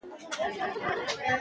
د هغې ناره به پر زړونو لګېدلې وي.